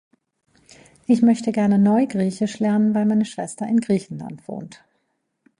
Ich möchte gerne Neugriechisch lernen, weil meine Schwester in Griechenland wohnt.